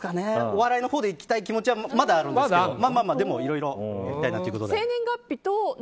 お笑いのほうでいきたい気持ちはまだあるんですけどでもいろいろいきたいなというｋとで。